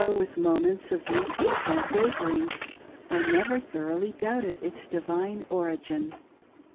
4S3 with moments of weakness and wavering, I never thoroughly doubted its divine origin.